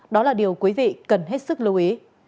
đó là điều quý vị cần hết sức lưu ý